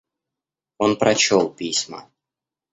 Он прочел письма.